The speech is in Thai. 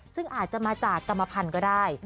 ซึ่งอาจจะมาจากกรรมพันธุ์ก็ได้